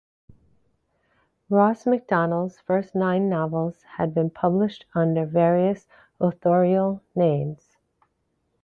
Ross Macdonald’s first nine novels had been published under various authorial names.